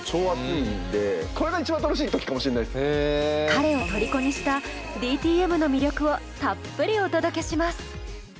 彼をとりこにしたＤＴＭの魅力をたっぷりお届けします。